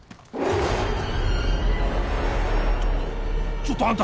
ちょっとあんた。